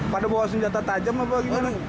pada bawa senjata tajam apa gimana